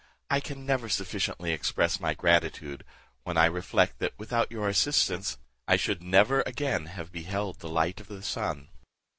I can never sufficiently express my gratitude, when I reflect that, without your assistance, I should never again have beheld the light of the sun."